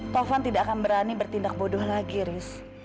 taufan tidak akan berani bertindak bodoh lagi